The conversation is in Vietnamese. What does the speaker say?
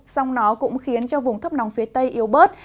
sông nó cũng khiến cho vùng thấp nóng phía tây yếu bớt